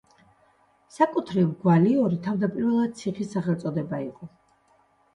საკუთრივ გვალიორი თავდაპირველად ციხის სახელწოდება იყო.